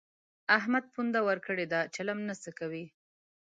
احمد پونده ورکړې ده؛ چلم نه څکوي.